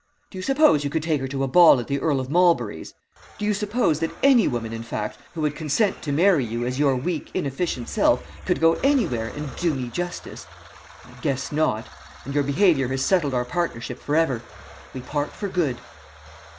Do you suppose you could take her to a ball at the Earl of Mawlberry's? Do you suppose that any woman, in fact, who would consent to marry you as your weak inefficient self could go anywhere and do me justice? I guess not; and your behaviour has settled our partnership for ever. We part for good.'